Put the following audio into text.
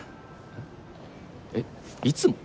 えっ「いつも」？